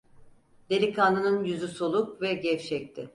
Delikanlının yüzü soluk ve gevşekti.